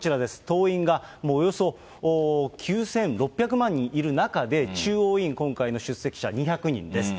党員がもうおよそ９６００万人いる中で、中央委員、今回の出席者２００人です。